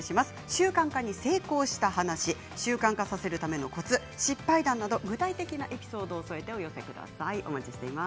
習慣化に成功した話習慣化させるためのコツ失敗談など具体的なエピソードを添えてお寄せください。